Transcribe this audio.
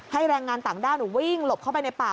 แรงงานต่างด้าววิ่งหลบเข้าไปในป่า